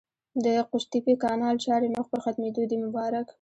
د قوشتېپې کانال چارې مخ پر ختمېدو دي! مبارک